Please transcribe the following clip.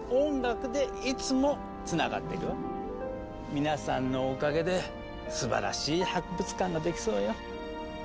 皆さんのおかげですばらしい博物館ができそうよ。